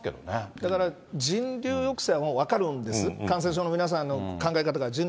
だから人流抑制は分かるんです、感染症の皆さんの考え方が人流